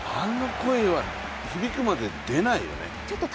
声は、響くまで出ないよね。